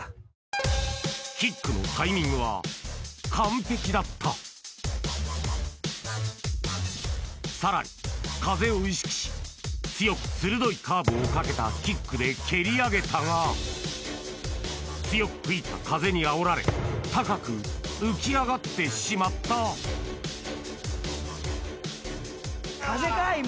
キックのタイミングは完璧だったさらに風を意識し強く鋭いカーブをかけたキックで蹴り上げたが強く吹いた風にあおられ高く浮き上がってしまった風か今。